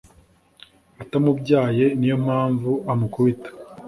atamubyaye niyo mpamvu amukubita